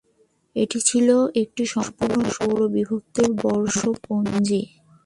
এটি ছিল একটি সম্পূর্ণ সৌর ভিত্তিক বর্ষপঞ্জী।